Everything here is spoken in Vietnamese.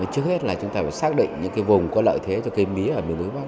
trước hết là chúng ta phải xác định những cái vùng có lợi thế cho cây mía ở miền núi bắc